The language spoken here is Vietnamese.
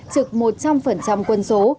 trực một trăm linh quân số